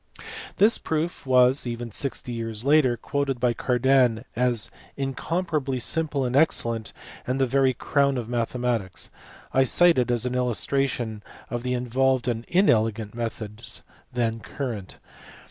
This proof was, even sixty years later, quoted by Cardan as "incomparably simple and excellent, and the very crown of mathematics." I cite it as an illustration of the involved and inelegant methods then current.